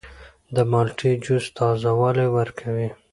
د مالټې جوس تازه والی ورکوي.